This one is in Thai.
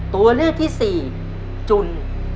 ตัวเลือกที่๔จุล